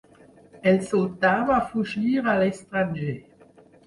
El sultà va fugir a l'estranger.